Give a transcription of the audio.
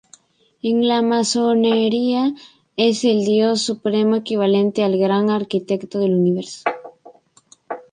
En la Masonería es el Dios Supremo, equivalente al Gran Arquitecto del Universo.